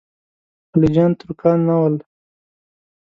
خلجیان ترکان نه ول.